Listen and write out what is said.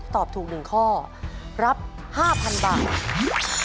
ตอบถูก๑ข้อรับ๕๐๐๐บาท